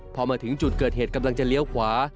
พอมาถึงจุดเกิดเหตุกำลังจะเลี้ยวขวา